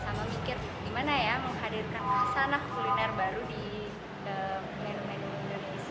sama mikir gimana ya menghadirkan rasa anak kuliner baru di menu menu indonesia ini